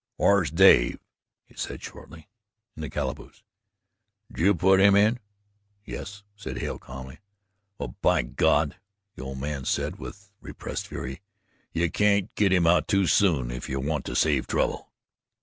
"Whar's Dave?" he said shortly. "In the calaboose." "Did you put him in?" "Yes," said Hale calmly. "Well, by God," the old man said with repressed fury, "you can't git him out too soon if you want to save trouble."